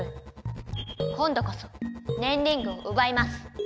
今度こそねんリングをうばいます。